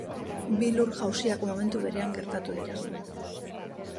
Bi lur-jausiak momentu berean gertatu dira.